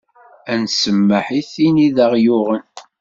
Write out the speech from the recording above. Ad n-smmeḥ i tin i d aɣ-yuɣen.